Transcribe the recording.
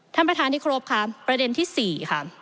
ท่านประธานที่ครบค่ะประเด็นที่๔ค่ะ